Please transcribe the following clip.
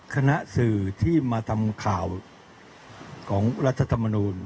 คณะสื่อที่มาทำข่าวของรัฐธรรมนูล